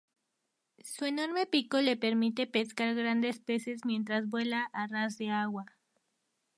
Su enorme pico le permite pescar grandes peces mientras vuela a ras de agua.